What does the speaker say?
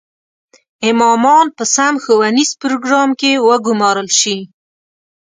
امامان په سم ښوونیز پروګرام کې وګومارل شي.